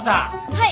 はい。